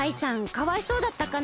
かわいそうだったかな？